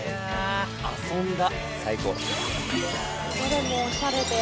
遊んだ。